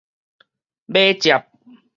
尾接